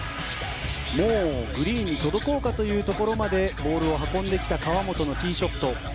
もうグリーンに届こうかというところまでボールを運んできた河本のティーショット。